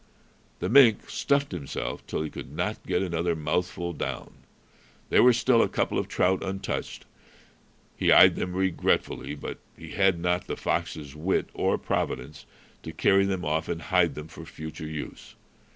The mink stuffed himself till he could not get another mouthful down. There were still a couple of trout untouched. He eyed them regretfully, but he had not the fox's wit or providence to carry them off and hide them for future use.